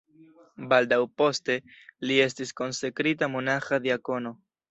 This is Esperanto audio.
Baldaŭ poste, li estis konsekrita monaĥa diakono.